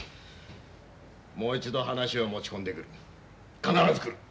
もう一度話を持ち込んでくる必ず来る。